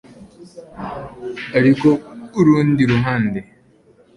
ariko ku rundi ruhande